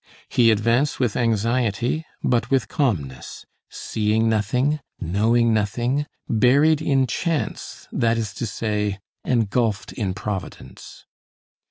He advanced with anxiety, but with calmness, seeing nothing, knowing nothing, buried in chance, that is to say, engulfed in providence.